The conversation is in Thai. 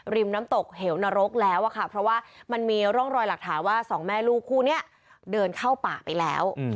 ริมน้ำตกเหวนรกแล้วอะค่ะเพราะว่ามันมีร่องรอยหลักฐานว่าสองแม่ลูกคู่นี้เดินเข้าป่าไปแล้ว